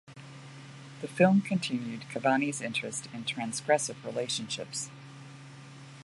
The film continued Cavani's interest in transgressive relationships.